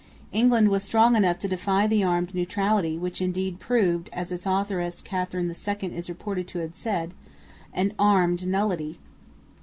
England was strong enough to defy the Armed Neutrality, which indeed proved, as its authoress Catherine II is reported to have said, "an armed nullity."